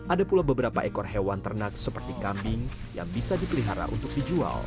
ada pula beberapa ekor hewan ternak seperti kambing yang bisa dipelihara untuk dijual